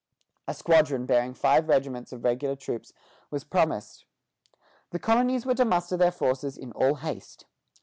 A squadron bearing five regiments of regular troops was promised. The colonies were to muster their forces in all haste.